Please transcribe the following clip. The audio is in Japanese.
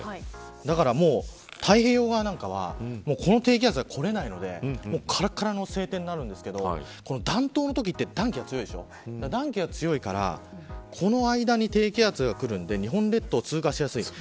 だから、太平洋側なんかはこの低気圧がこれないのでからからの晴天になるんですけど暖冬のときって暖気が強いのでこの間に低気圧がくるので日本列島を通過しやすい。